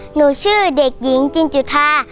หนูชื่อเด็กหญิงจินจุธา